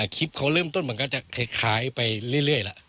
คลิปเขาเริ่มต้นมันก็จะคล้ายไปเรื่อยแล้ว